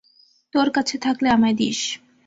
তোর কাছে থাকলে আমায় দিস।